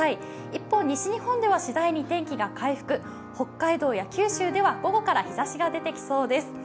一方、西日本では次第に天気が回復、北海道や九州では午後から日ざしが出てきそうです。